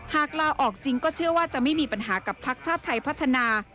ลาออกจริงก็เชื่อว่าจะไม่มีปัญหากับพักชาติไทยพัฒนา